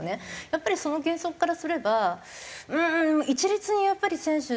やっぱりその原則からすれば一律にやっぱり選手